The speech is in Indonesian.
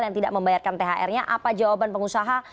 yang tidak membayarkan thr nya apa jawaban pengusaha